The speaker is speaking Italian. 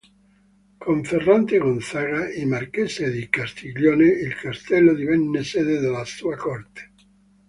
Con Ferrante Gonzaga, I marchese di Castiglione, il castello divenne sede della sua corte.